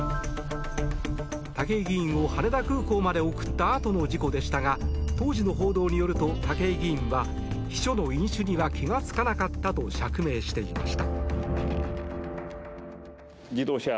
武井議員を羽田空港まで送ったあとの事故でしたが当時の報道によると武井議員は秘書の飲酒には気がつかなかったと釈明していました。